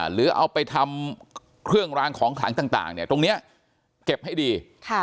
หรือเอาไปทำเครื่องร้างของขังต่างต่างเนี่ยตรงเนี้ยเก็บให้ดีค่ะ